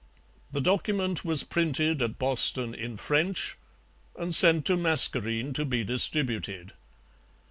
The document was printed at Boston in French, and sent to Mascarene to be distributed.